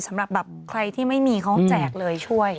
สำหรับแบบใครที่ไม่มีเขาแจกเลยช่วย